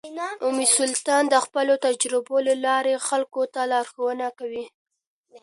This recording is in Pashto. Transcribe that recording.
ام سلطان د خپلو تجربو له لارې خلکو ته لارښوونه کوي.